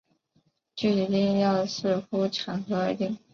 具体定义要视乎场合而定。